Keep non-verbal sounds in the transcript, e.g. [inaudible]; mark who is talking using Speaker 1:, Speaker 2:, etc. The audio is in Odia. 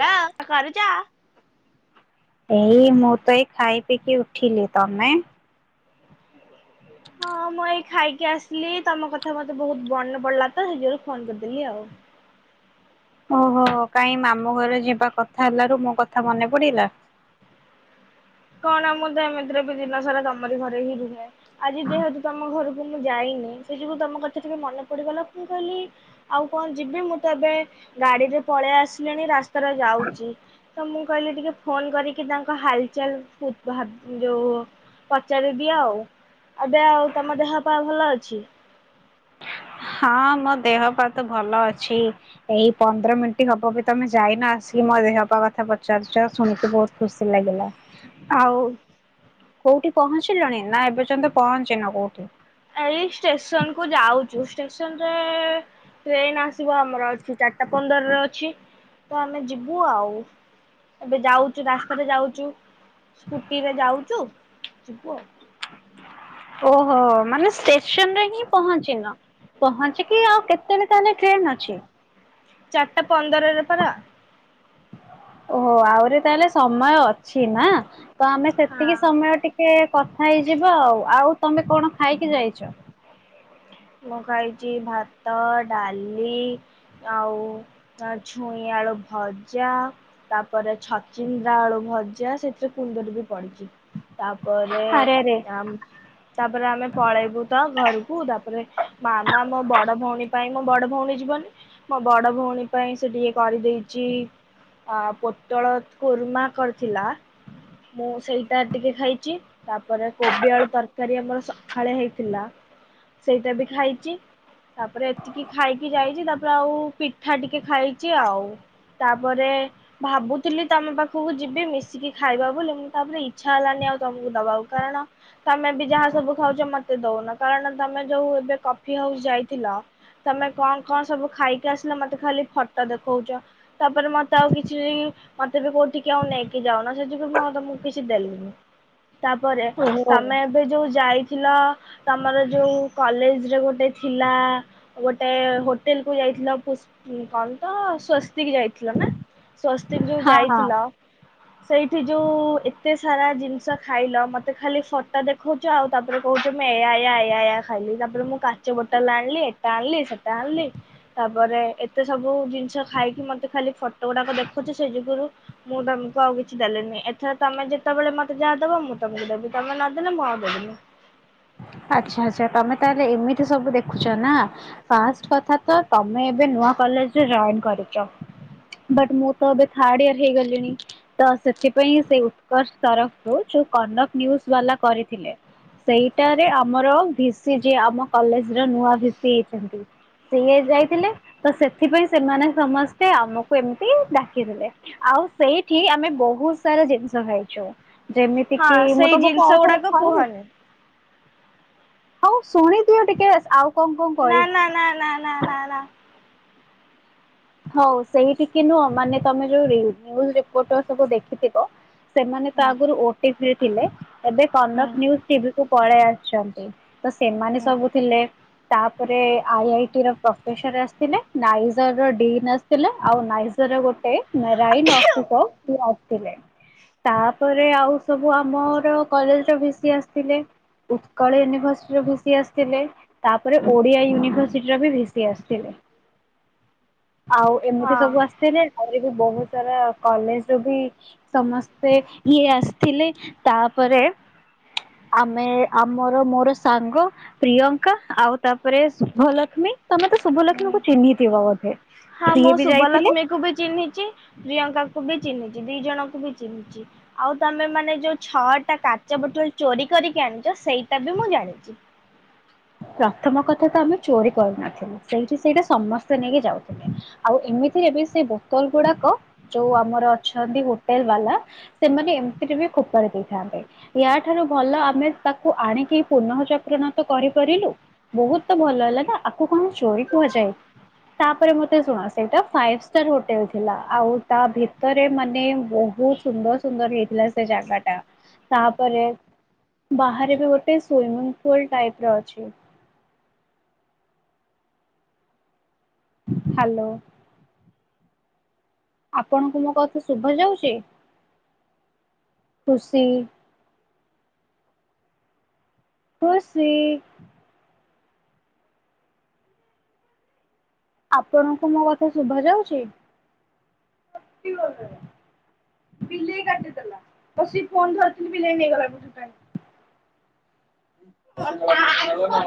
Speaker 1: ହା ଲୋ କଁ କରୁଛ।
Speaker 2: ଏଇ ମୁଁ ତ ଏଇ ଖାଇ ପିଇକି ଉଠିଲି ତମେ।
Speaker 1: ହଁ ମୁଁ ଏଇ ଖାଇକି ଆସିଲି ତମ କଥା ମତେ ବହୁତ ମନ ପଡିଲା ତ ସେଇଥି ପାଇଁ ‌ଫୋନ କରିଦେଲି ଆଉ।
Speaker 2: ଓହୋ କାଇଁ ମାମୁ ଘର ଯିବା କଥା ହେଲାରୁ ମୋ କଥା ମନେ ପଡିଲା।
Speaker 1: କଣ ମୁଁ ତ ଏମିତିରେ ବି ଦିନ ସାରା ତମରି ଘରେ ହିଁ ରୁହେଁ। ଆଜି ଯେହେତୁ ତମ ଘରକୁ ମୁଁ ଯାଇନି ସେ ଯୋଗୁଁ ତମ କଥା ଟିକେ ମନେ ପଡିଗଲା ମୁଁ କହିଲି। ଆଉ କଣ ଯିବି ମୁଁ ତ ଏବେ ଗାଡିରୁ ପଳେଇ ଆସିଲିଣି ରାସ୍ ସ୍ତା ରେ ଯାଉଛି ତ ମୁଁ କହିଲି ଟିକେ ଫୋନ୍ କରିକି ତାଙ୍କ ହାଲଚାଲ। ପୁ ଭାବ୍ ଯୋଉ ପଚାରି ଦିଏ ଆଉ। ଏବେ ଆଉ ତମ ଦେହ ପା ଭଲ ଅଛି।
Speaker 2: ହଁ ମୋ ଦେହ ପା ତ ଭଲ ଅଛି। ଏଇ ପନ୍ଦର ମିନିଟ୍ ହବ ବି ତମେ ଯାଇନ ଆସିକି ମୋ ଦେହ ପା କଥା ପଚାରୁଛ ଶୁଣିକି ବହୁତ। ଖୁସି ଲାଗିଲା ଆଉ। କୋଉଠି ପହଞ୍ଚିଲଣି ନା ଏବେ ଯନ୍ତ ପହଞ୍ଚିନ କୋଉଠି।
Speaker 1: ଏଇ ଷ୍ଟେସନ କୁ ଯାଉଛୁ ଷ୍ଟେସନ ରେ। ଟ୍ରେନ ଆସିବ ଆମର ଅଛି ଚାରିଟା ପନ୍ଦରରେ ଅଛି ତ ଆମେ ଯିବୁ ଆଉ। ଏବେ ଯାଉଛୁ ରାସ୍ତାରେ ଯାଉଛୁ ସ୍କୁଟିରେ ଯାଉଛୁ ଯିବୁ ଆଉ।
Speaker 2: ଓହୋ ମାନେ ଷ୍ଟେସନ ରେ ହିଁ ପହଞ୍ଚିନ। ପହଞ୍ଚିକି ଆଉ କେତେବେ ତାହେଲେ ଟ୍ରେନ ଅଛି।
Speaker 1: ଚାରିଟା ପନ୍ଦରରେ ପରା।
Speaker 2: ଓହୋ ଆହୁରି ତାହେଲେ ସମୟ ଅଛି ନା ତ ଆମେ ସେତିକି
Speaker 1: ହଁ।
Speaker 2: ସମୟ ଟି ସେ କଥା ହେଇଯିବ ଆଉ ଆଉ ତମେ କଣ ଖାଇକି ଯାଇଛ?
Speaker 1: ମୁଁ ଖାଇଛି ଭାତ ଡାଲି ଆଉ ଆ ଛୁଇଁ ଆଳୁ ଭଜା। ତାପରେ ଛଚିନ୍ଦ୍ରା ଆଳୁ ଭଜା ସେଥିରେ କୁନ୍ଦୁରି ବି ପଡିଛି। ତାପରେ
Speaker 2: ଆରେ ଆରେ
Speaker 1: ଆମ ତାପରେ ଆମେ ପଳେଇବୁ ତ ଘରକୁ ତାପ ପରେ ମାମା ମୋ ବଡ ଭଉଣୀ ପାଇଁ ମୋ ବଡ ଭଉଣୀ ଯିବନି ମୋ ବଡ ଭଉଣୀ ପାଇଁ ସେ ଟିକେ କରି ଦେଇଚ଼ି। ଆ ପୋଟଳ କୃର୍ମା କରିଥିଲା ମୁଁ ସେଇଟା ଟିକେ ଖାଇଚ଼ି। ତାପରେ କୋବି ଆଳୁ ତରକାରୀ ଆମର ସଖାଳେ ହେଇଥିଲା। ସେଇଟା ବି ଖାଇଚି। ତାପରେ ଏତିକି ଖାଇକି ଯାଇଚ଼ି ତାପରେ ଆଉ ପିଠା ଟିକେ ଖାଇଚ଼ି ଆଉ। ତାପରେ ଭାବୁଥିଲି ତମ ପାଖକୁ ଯିବି ମିଶିକି ଖାଇବା ବୋଲି ଉଁ ତାପରେ ଇଚ୍ଛା ହେଲାନି ଆଉ ତମକୁ ଦବାକୁ କାରଣ ତମେ ବି ଯାହା ସବୁ ଖାଉଚ ମତେ ଦଉନ କାରଣ ତମେ ଯୋଉ ଏବେ କଫି ହାଉସ୍ ଯାଇଥିଲ ତମେ କଁ କଁ ସବୁ ଖାଇକି ଆସିଲ ମତେ ଖାଲି ଫଟ ଦେଖଉଚ଼।। ତାପରେ ମତେ ଆଉ କିଛି ମତେ ବି କୋଉ ଟିକେ ଆଉ ନେଇକି ଯାଉନ ସେ ଯୋଗୁ ବି‌ ମୁଁ ଆଉ ତମକୁ କିଛି ଦେଲିନି। ତାପରେ
Speaker 2: ଓହୋ
Speaker 1: ତମେ ଏବେ ଯୋଉ ଯାଇଥିଲ ତମର ଯୋଉ କଲେଜରେ ଗୋଟେ ଥିଲା ଗୋଟେ ହୋଟେଲ୍ କୁ ଯାଇଥିଲ ପୁସ୍ କଣ ତ ସ୍ଵସ୍ତିକି ଯାଇଥିଲ ନା? ସ୍ଵସ୍ତିକ୍ ଯୋଉ
Speaker 2: ହଁ ହଁ
Speaker 1: ଯାଇଥିଲ ସେଇଠି ଯୋଉ ଏତେ ସାରା ଜିନିଷ ଖାଇଲ ମତେ ଖାଲି ଫଟ ଦେଖଉ ଚ ଆଉ ତାପରେ କହୁଚ ମୁଁ ଏୟା ଏୟା ଏ ଏୟା ଏୟା ଖାଇଲି ତାପରେ ମୁଁ କାଚ ବୋଟଲ୍ ଆଣିଲି ଏଟା ଆଣିଲି ସେଟା ଆଣିଲି ତାପରେ ଏତେ ସବୁ ଜିନିଷ ଖାଇକି ମତେ ଖାଲି ଫଟ ଗୁଡାକ ଦେଖୁଚ଼ି ସେ ଯୋଗୁରୁ ମୁଁ ତମକୁ ଆଉ କିଛି ଦେଲିନି ଏଥର ତମେ ଯେତେବେଳେ ମତେ ଯାହା ଦେବ ମୁଁ ତମକୁ ଦେବି ତମେ ନଦେଲେ ମୁଁ ଆଉ ଦେବିନି।
Speaker 2: ଆଚ୍ଛା ଆଚ୍ଛା ତମେ ତାହେଲେ ଏମିତି ସବୁ ଦେଖୁଛ ନା? ଫାଷ୍ଟ୍ କଥା ତ ତମେ ଏବେ ନୂଆ କଲେଜ୍ ରେ ଯଏନ୍ କରିଚ଼। ବଟ୍ ମୁଁ ଏବେ ଥାର୍ଡଇୟର ହେଇ ଗଲିଣି। ତ ସେଥିପାଇଁ ସେ ଉତ୍କର୍ଷ ତରଫରୁ ଯୋଉ କନକ୍ ନ୍ୟୁଜ୍ ବାଲା କରିଥିଲେ। ସେଇଟାରେ ଆମର ଭିସି ଯିଏ ଆମ କଲେଜ ର ନୂଆ ଭିସି ହେଇଚ଼ନ୍ତି ସିଏ ଯାଇଥିଲେ ତ ସେଥିପାଇଁ ସେମାନେ ସମସ୍ତେ ଆମକୁ ଏମିତି ଡାକିଥିଲେ। ଆଉ ସେଇଠି ଆମେ ବହୁତ୍ ସାରା ଜିନିଷ ଖାଇଚୁ। ଯେମିତି
Speaker 1: ହଁ
Speaker 2: କି ମୁଁ
Speaker 1: ସେଇ
Speaker 2: ତମକୁ
Speaker 1: ଜିନିଷ
Speaker 2: ଆଉ ଥରେ
Speaker 1: ଗୁଡାକ
Speaker 2: କଇବି?
Speaker 1: କୁହନି
Speaker 2: ହଉ ଶୁଣିଦିଅ ଟିକେସ୍ ଆଉ କଣ କଣ
Speaker 1: ନା
Speaker 2: କହିଛୁ।
Speaker 1: ନା ନା ନା ନା ନା ନା।
Speaker 2: ହଉ ସେଇଠିକି ନୁହଁ ମାନେ ତମେ ଯୋଉ ରି ନ୍ୟୁଜ୍ ରିପୋର୍ଟର ସବୁ ଦେଖିଥିବ ସେମାନେ ତ
Speaker 1: ହଁ
Speaker 2: ଆଗରୁ ଓଟିଭିରେ ଥିଲେ ଏବେ କନକ୍ ନ୍ୟୁଜ୍ ଟିଭି କୁ ପଳେଇ ଆସଛନ୍ତି। ତ ସେମାନେ
Speaker 1: ହଁ
Speaker 2: ସବୁ ଥିଲେ। ତାପରେ ଆଇଆଇଟି ର ପ୍ରଫେସର ଆସଥିଲେ ନାଇଜର ର ଡିନ୍ ଅସଥିଲେ ଆଉ ନାଇଜର୍ ର ଗୋଟେ ମେରାଇନ୍ ଅଫିସର୍ ସିଏ ଆସିଥିଲେ। ତାପରେ ଆଉ ସବୁ ଆମର କଲେଜ୍ ର ଭିସିି ଆସଥିଲେ। ଉତ୍କଳ ୟୁନିଭର୍ସ ରୁ ଭିସି ଆସିଥିଲେ। ତାପରେ ଓଡିଆ ୟୁନିଭର୍ସିଟିର ବି ଭିସି ଆସତିଲେ। ଆଉ ଏମିତି
Speaker 1: ହଁ
Speaker 2: ସବୁ ଆସଥିଲେ ଆହୁରି ବି ବହୁତ ସାରା କଲେଜ ରୁ ବି ସମସ୍ତେ ଇଏ ଆସିଥିଲେ ତାପରେ ଆମେ ଆମର ମୋର ସାଙ୍ଗ ପ୍ରିୟଙ୍କା ଆଉ ତାପରେ ଶୁଭଲକ୍ଷ୍ମୀ ତମେ ତ ଶୁଭଲକ୍ଷ୍ମୀ
Speaker 1: ହୁଁ।
Speaker 2: କୁ ଚିହ୍ନିଥିବ ବୋଧେ?
Speaker 1: ହଁ
Speaker 2: ସିଏ
Speaker 1: ମୁଁ
Speaker 2: ବି ଯାଇଥିଲେ
Speaker 1: ଶୁଭଲକ୍ଷ୍ମୀ କୁ ବି ଚିହ୍ନିଚି ପ୍ରିୟଙ୍କା କୁ ବି ଚିହ୍ନିଚି ଦି ଜଣଙ୍କୁ ବି ଚିହ୍ନିଚି। ଆଉ ତମେ ମାନେ ଯୋଉ ଛଅଟା କାଚ ବୋଟଲ୍ ଚୋରି କରିକି ଆଣିଚ ସେଇଟା ବି ମୁଁ ଜାଣିଚ଼ି।
Speaker 2: ପ୍ରଥମ କଥା ତ ଆମେ ଚୋରି କରୁନଥିଲୁ। ସେଇଠି ସେଇଟା ସମସ୍ତେ ନେଇକି ଯାଉଥିଲେ ଆଉ ଏମିତିରେ ବି ସେ ବୋତଲ୍ ଗୁଡାକ ଯୋଉ ଆମର ଅଛନ୍ତି ହୋଟେଲ ବାଲା ସେମାନେ ଏମିତିରେ ବି ଫୋପାଡେ ଦେଇଥାନ୍ତେ। ୟା ଠାରୁ ଭଲ ଆମେ ତାକୁ ଆଣିକି ପୁନଃଚକ୍ରନ ତ କରି କରିଲୁ ବହୁତ୍ ଭଲ ହେଲା ନା ଆକୁ କଣ ଚୋରି କୁହାଯାଏ। ତାପରେ ମତେ ଶୁଣ ସେଇଟା ଫାଇଭ ଷ୍ଟାର ହୋଟେଲ ଥିଲା ଆଉ ତା ଭିତରେ ମାନେ ବହୁତ ସୁନ୍ଦର ସୁନ୍ଦର ହେଇଥିଲା ସେ ଜାଗା ଟା ତାପରେ ବାହାରେ ବି ଗୋଟେ ସୁଇମିଂ ପୁଲ ଟାଇପ୍ ର ଅଛି। ହ୍ୟାଲୋ। ଆପଣଙ୍କୁ ମୋ କଥା ଶୁଭା ଯାଉଛି ଖୁସି। ଖୁସି। ଆପଣଙ୍କୁ ମୋ କଥା ଶୁଭା ଯାଉଛି? ବିଲେଇ କାଟିଦେଲା। ତ ସେ ଫୋନ୍ ଧରିଥିଲି ବିଲେଇ ନେଇଗଲା କୁ ତାଟୁ। [inaudible]